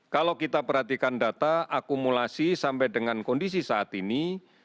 kalau kita perhatikan data akumulasi sampai dengan kondisi saat ini